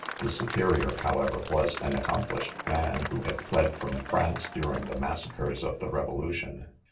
The superior, however., was an accomplished man, who had fled from France during the massacres of the revolution.